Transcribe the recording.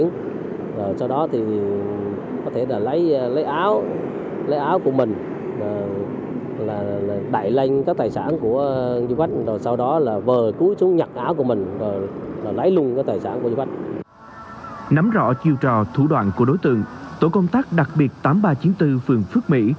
nắm rõ chiêu trò thủ đoạn của đối tượng tổ công tác đặc biệt tám nghìn ba trăm chín mươi bốn phường phước mỹ